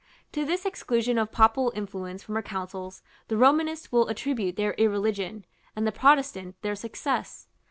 To this exclusion of Papal influence from her councils, the Romanist will attribute their irreligion, and the Protestant their success.